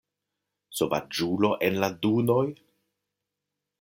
Sovaĝulo en la dunoj!?